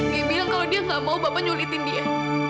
dia bilang kalau dia gak mau bapak nyulitin dia